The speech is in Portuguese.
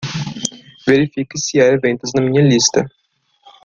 Verifique se há eventos na minha lista.